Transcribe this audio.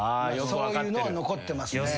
そういうのは残ってますね。